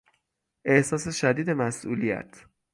احساس شدید مسئولیت